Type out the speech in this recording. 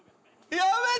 やめて！